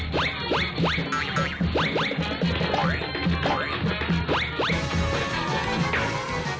สวนสาวรูป